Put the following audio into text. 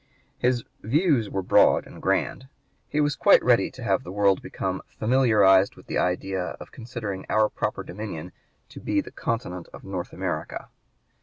His views were broad and grand. He was quite ready to have the world become "familiarized with the idea of considering our proper dominion to be the continent of North America."